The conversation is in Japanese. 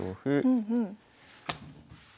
うんうん。